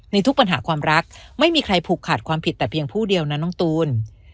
ทุกปัญหาความรักไม่มีใครผูกขาดความผิดแต่เพียงผู้เดียวนะน้องตูน